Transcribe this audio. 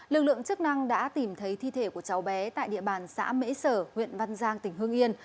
lực lượng chức năng đã tìm thấy thi thể của cháu bé tại địa bàn xã mễ sở huyện văn giang tỉnh hương yên